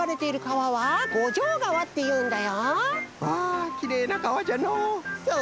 わあきれいな川じゃのう！